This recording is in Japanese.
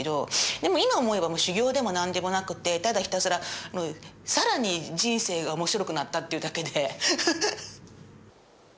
でも今思えば修行でも何でもなくてただひたすら更に人生が面白くなったっていうだけで。